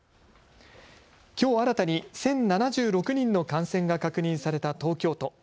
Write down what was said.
きょう新たに１０７６人の感染が確認された東京都。